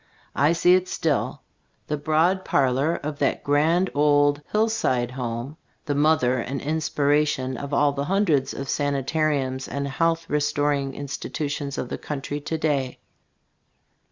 I see it still, the broad parlor of that grand old "Hillside Home, ,, the mother and inspiration of all the hun dreds of sanitariums and health re storing institutions of the country to day.